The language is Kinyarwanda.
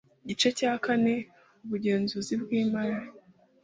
Igice cya kane Ubugenzuzi bw imari